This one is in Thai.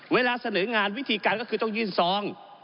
เวลาเสนองานวิธีการก็คือต้องยื่นซอง